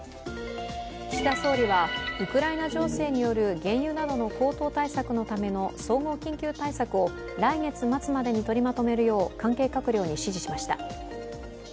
岸田総理はウクライナ情勢による原油などの高騰対策のための総合緊急対策を来月末までに取りまとめるよう関係閣僚に指示しました。